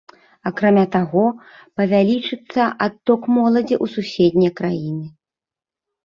Акрамя таго, павялічыцца адток моладзі ў суседнія краіны.